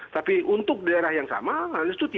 tapi untuk daerah yang sama harus cuti